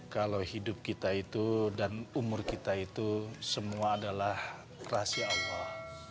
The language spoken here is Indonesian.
kalau hidup kita itu dan umur kita itu semua adalah rahasia allah